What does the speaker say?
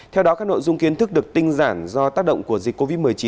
theo đó các nội dung kiến thức được tinh giản do tác động của dịch covid một mươi chín